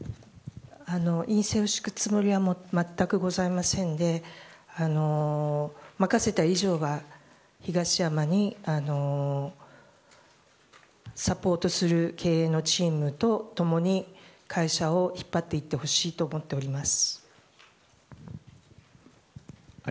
院政を敷くつもりは全くございませんで任せた以上は東山にサポートする経営のチームと共に会社を引っ張っていってほしいと思っております。